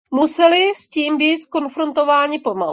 Museli s tím být konfrontováni pomalu.